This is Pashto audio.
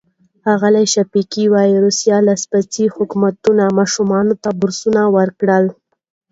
ښاغلی شفیقي وايي، روسي لاسپوڅي حکومت ماشومانو ته بورسونه ورکړل.